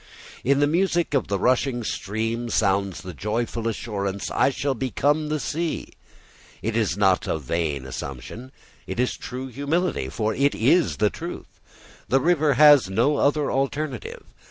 In the music of the rushing stream sounds the joyful assurance, "I shall become the sea." It is not a vain assumption; it is true humility, for it is the truth. The river has no other alternative.